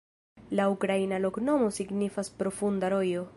La ukraina loknomo signifas: profunda rojo.